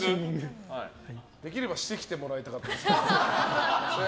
できればしてきてもらいたかったですけど。